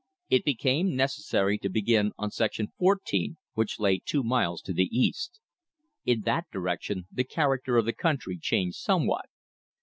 It became necessary to begin on section fourteen, which lay two miles to the east. In that direction the character of the country changed somewhat.